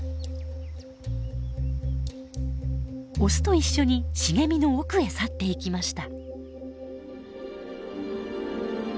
オスと一緒に茂みの奥へ去っていきました。